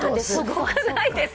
すごくないですか？